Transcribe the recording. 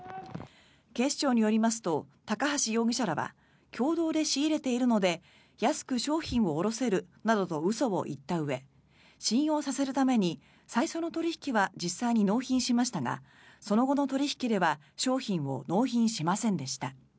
警視庁によりますと高橋容疑者らは共同で仕入れているので安く商品を卸せるなどと嘘を言ったうえ信用させるために、最初の取引は実際に納品しましたがその後の取引では商品を納品しませんでした。